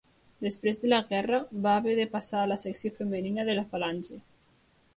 Després de la guerra va haver de passar a la Secció Femenina de la Falange.